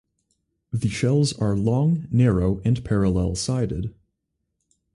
The shells are long, narrow, and parallel-sided.